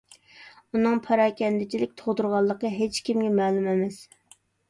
ئۇنىڭ پاراكەندىچىلىك تۇغدۇرغانلىقى ھېچكىمگە مەلۇم ئەمەس.